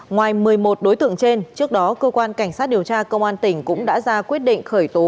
ngoài một mươi một đối tượng trên trước đó cơ quan cảnh sát điều tra công an tỉnh cũng đã ra quyết định khởi tố